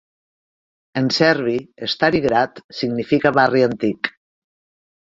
En servi, "Stari Grad" significa 'barri antic'.